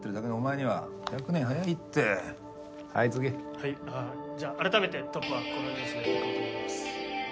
・はいあっじゃあ改めてトップはこのニュースでいこうと思います。